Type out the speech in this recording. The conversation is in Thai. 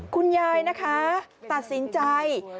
คุณยายนะคะตัดสินใจ